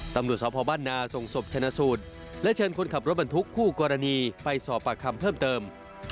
ตำรวจสพบ้านนาส่งศพชนะสูตรและเชิญคนขับรถบรรทุกคู่กรณีไปสอบปากคำเพิ่มเติม